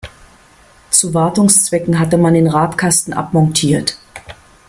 Zu Wartungszwecken hatte man den Radkasten abmontiert.